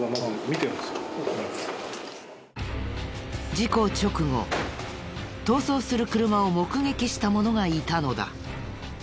事故直後逃走する車を目撃した者がいたのだ。